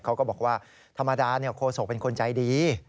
เขาก็บอกว่าธรรมดาโคศกเป็นคนใจดี